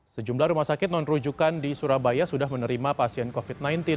sejumlah rumah sakit non rujukan di surabaya sudah menerima pasien covid sembilan belas